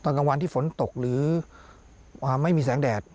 กลางวันที่ฝนตกหรือไม่มีแสงแดด